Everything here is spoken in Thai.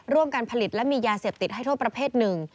การผลิตและมียาเสพติดให้โทษประเภทหนึ่ง